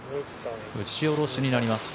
打ち下ろしになります。